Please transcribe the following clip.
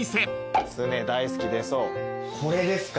これですか？